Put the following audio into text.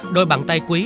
đôi bàn tay quý